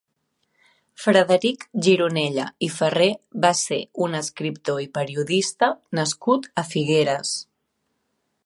Frederic Gironella i Ferrer va ser un escriptor i periodista nascut a Figueres.